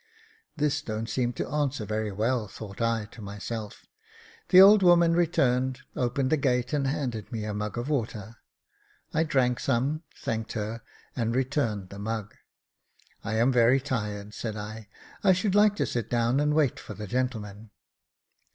"This don't seem to answer very well," thought I to myself. The old woman returned, opened the gate, and handed me a mug of water. I drank some, thanked her, and returned the mug. *' I am very tired," said I ; "I should like to sit down and wait for the gentleman."